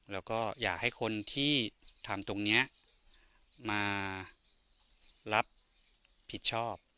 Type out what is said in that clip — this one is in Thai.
แล้วก็อยากให้คนที่ทำตรงนี้มารับผิดชอบ